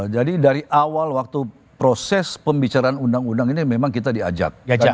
jadi dari awal waktu proses pembicaraan undang undang ini memang kita diajak